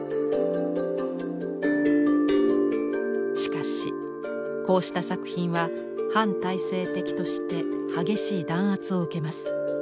しかしこうした作品は反体制的として激しい弾圧を受けます。